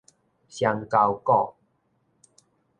雙鉤股